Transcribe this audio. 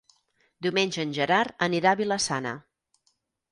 Diumenge en Gerard anirà a Vila-sana.